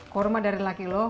kurma dari laki lu